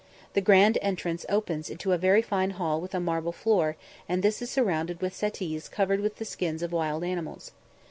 The grand entrance opens into a very fine hall with a marble floor, and this is surrounded with settees covered with the skins of wild animals.